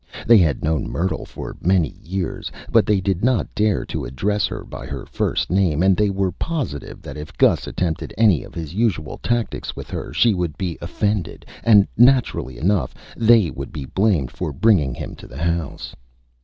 They had known Myrtle for many Years; but they did not dare to Address her by her First Name, and they were Positive that if Gus attempted any of his usual Tactics with her she would be Offended; and, naturally enough, they would be Blamed for bringing him to the House.